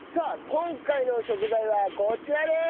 今回の食材はこちらです！